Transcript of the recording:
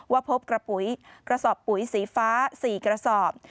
ว่าพบกระสอบปุ๋ยสีฟ้า๔กระสอบ